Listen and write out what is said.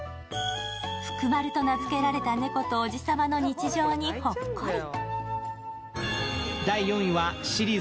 ふくまると名付けられた猫とおじさまの日常にほっこり。